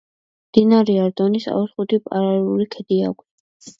მდინარე არდონის აუზს ხუთი პარალელური ქედი აქვს.